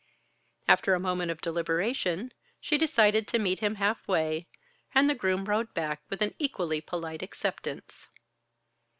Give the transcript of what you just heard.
After a moment of deliberation, she decided to meet him half way; and the groom rode back with an equally polite acceptance.